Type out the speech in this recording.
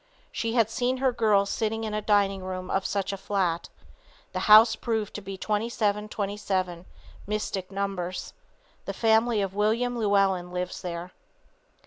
She had seen her girl sitting in a dining room of such a flat. The house proved to be 2727, mystic numbers. The family of William Llewellyn lives there.